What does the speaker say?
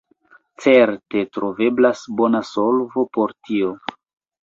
Certe troveblas bona solvo por tio.